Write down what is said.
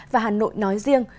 và hà nội nói riêng